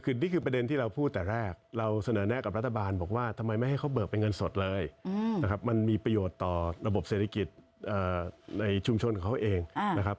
คือนี่คือประเด็นที่เราพูดแต่แรกเราเสนอแน่กับรัฐบาลบอกว่าทำไมไม่ให้เขาเบิกเป็นเงินสดเลยนะครับมันมีประโยชน์ต่อระบบเศรษฐกิจในชุมชนของเขาเองนะครับ